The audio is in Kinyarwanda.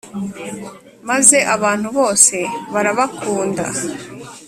maze abantu bose barabakunda.